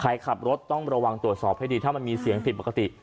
ขับรถต้องระวังตรวจสอบให้ดีถ้ามันมีเสียงผิดปกติ